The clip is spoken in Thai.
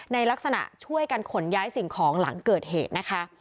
ในลักษณะช่วยกันขนย้ายสิ่งของหลังเกิดเหตุนะคะ